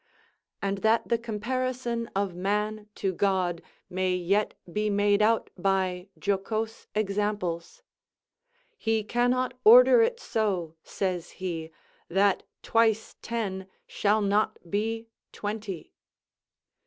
And that the comparison of man to God may yet be made out by jocose examples: "He cannot order it so," says he, "that twice ten shall not be twenty."